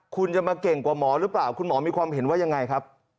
คุณจะมาเก่งกว่าหมอหรือเปล่าคุณหมอมีความเห็นว่ายังไงครับ